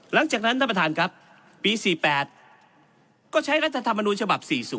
หลังจากนั้นท่านประธานครับปี๔๘ก็ใช้รัฐธรรมนูญฉบับ๔๐